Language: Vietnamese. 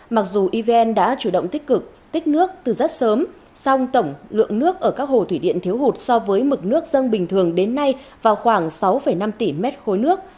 mặc dù evn đã chủ động tích cực tích nước từ rất sớm song tổng lượng nước ở các hồ thủy điện thiếu hụt so với mực nước dân bình thường đến nay vào khoảng sáu năm tỷ mét khối nước